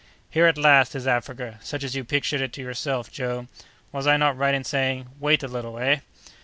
"Here, at last, is Africa, such as you pictured it to yourself, Joe! Was I not right in saying, 'Wait a little?' eh?"